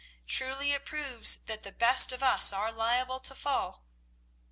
Truly it proves that the best of us are liable to fall."